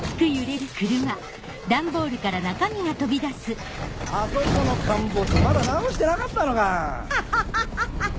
わっ！あそこの陥没まだ直してなかったのか！